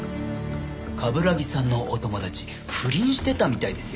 冠城さんのお友達不倫してたみたいですよ。